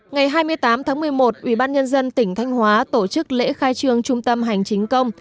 ngày hai mươi tám tháng một mươi một ủy ban nhân dân tỉnh thanh hóa tổ chức lễ khai trương trung tâm hành chính công